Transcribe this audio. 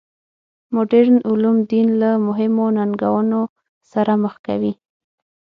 مډرن علوم دین له مهمو ننګونو سره مخ کوي.